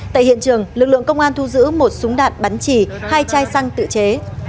tại hiện trường lực lượng công an thu giữ một súng đạn bắn chỉ hai chai xăng tự chế